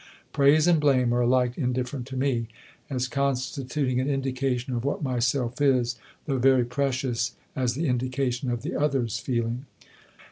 Praise and blame are alike indifferent to me, as constituting an indication of what myself is, though very precious as the indication of the other's feeling....